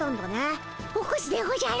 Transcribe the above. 起こすでおじゃる。